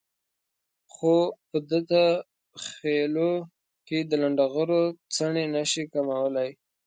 خو په دته خېلو کې د لنډغرو څڼې نشي کمولای.